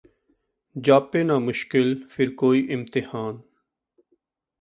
ਜਾਪੇ ਨਾ ਮੁਸ਼ਕਿਲ ਫਿਰ ਕੋਈ ਇਮਤਿਹਾਨ